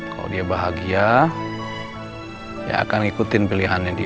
kalau dia bahagia dia akan ikutin pilihannya dia